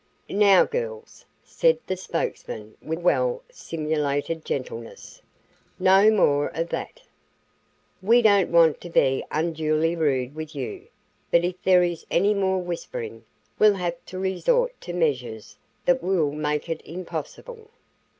"Now, girls," said the spokesman with well simulated gentleness, "no more of that. We don't want to be unduly rude with you, but if there is any more whispering, we'll have to resort to measures that will make it impossible.